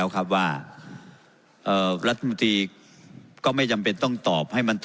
การไปมา